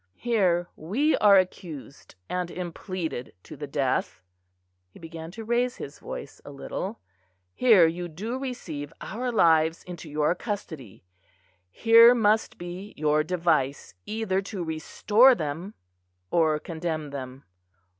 Here we are accused and impleaded to the death," he began to raise his voice a little "here you do receive our lives into your custody; here must be your device, either to restore them or condemn them.